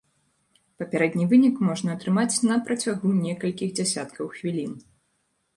Папярэдні вынік можна атрымаць на працягу некалькіх дзясяткаў хвілін.